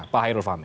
pak khairul fahmi